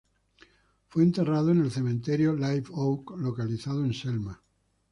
Fue enterrado en el cementerio Live Oak localizado en Selma.